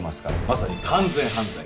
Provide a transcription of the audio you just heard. まさに完全犯罪。